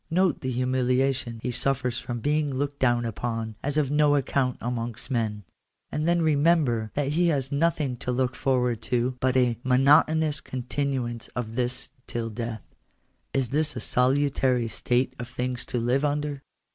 Note the humiliation he suffers from being looked down upon as of no account amongst men. And then remember that he has nothing to look forward Digitized by VjOOQIC THE CONSTITUTION OF THE STATE. 227 to but a monotonous continuance of this till death. Is this a * salulary state of things to live under